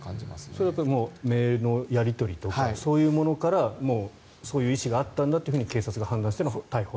それはメールのやり取りとかそういうものからそういう意思があったんだと警察が判断しての逮捕と。